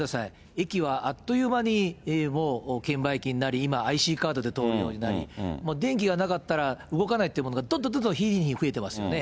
駅はあっという間にもう券売機になり、今、ＩＣカードで通るようになり、電気がなかったら動かないっていうものがどんどんどんどん日に日に増えてますよね。